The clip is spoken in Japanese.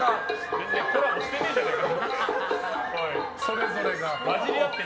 全然コラボしてねえじゃねえか。